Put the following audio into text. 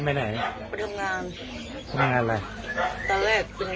ทำงานอะไรตอนแรกเป็นชักกับปลาอันนี้หมด